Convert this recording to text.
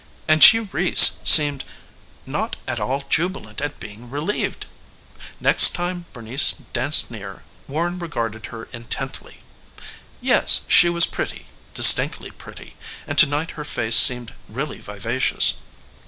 And G. Reece seemed not at all jubilant at being relieved. Next time Bernice danced near, Warren regarded her intently. Yes, she was pretty, distinctly pretty; and to night her face seemed really vivacious.